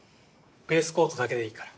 ベースコートだけでいいから。